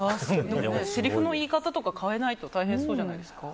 でも、せりふの言い方とか変えないと大変じゃないですか？